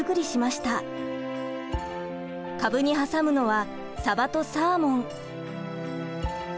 カブに挟むのはサバとサーモン。